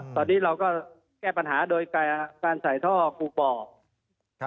ตอนนี้เราก็แก้ปัญหาโดยการใส่ท่อกูปอก